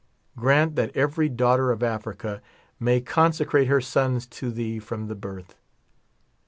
Grant that ever\' daughter of Africa may consecrate her sons to thee from the birth.